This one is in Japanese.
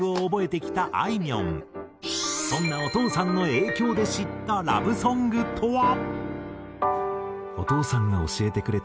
そんなお父さんの影響で知ったラブソングとは？